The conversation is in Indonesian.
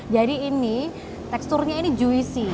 jadi ini teksturnya ini juicy